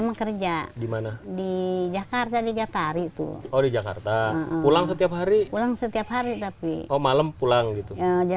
bekerja dimana di jakarta di jatari itu di jakarta pulang setiap hari hari tapi malam pulang gitu jam